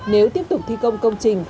nếu tiếp tục thi công công trình